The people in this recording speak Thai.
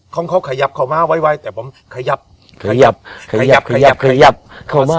ของเขาขยับเขามาไวแต่ผมขยับขยับขยับขยับ